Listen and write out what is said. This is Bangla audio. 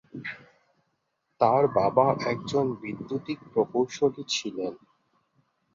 তাঁর বাবা একজন বৈদ্যুতিক প্রকৌশলী ছিলেন।